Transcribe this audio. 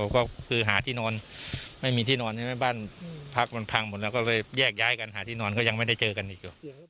ก็คือหาที่นอนไม่มีที่นอนใช่ไหมบ้านพักมันพังหมดแล้วก็เลยแยกย้ายกันหาที่นอนก็ยังไม่ได้เจอกันอีกหรอ